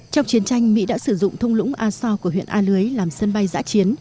trong chiến tranh mỹ đã sử dụng thông lũng aso của huyện a lưới làm sân bay giã chiến